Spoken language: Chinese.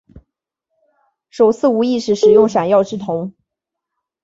首次无意识使用闪耀之瞳。